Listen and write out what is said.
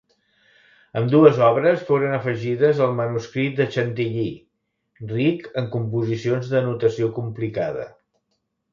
Ambdues obres foren afegides al manuscrit de Chantilly, ric en composicions de notació complicada.